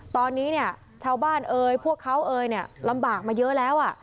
ตอนนี้เนี่ยชาวบ้านเอ่ยพวกเขาเอ่ยเนี่ยลำบากมาเยอะแล้ว